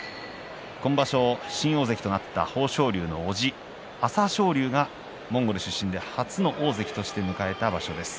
今場所新大関となった豊昇龍のおじ朝青龍がモンゴル出身で初の大関として迎えた場所です。